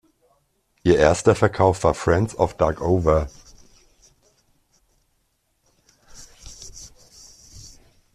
Ihr erster Verkauf war "Friends of Darkover".